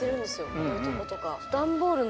こういうとことか。